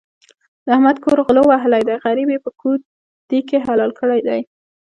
د احمد کور غلو وهلی دی؛ غريب يې په کودي کې حلال کړی دی.